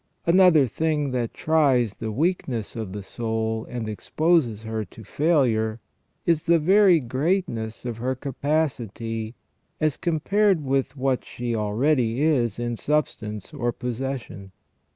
Another thing that tries the weakness of the soul and exposes her to failure, is the very greatness of her capacity as compared with what she already is in substance or possession.